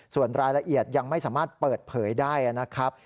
ส่วนรายละเอียดยังไม่สามารถเปิดเผยได้นะครับ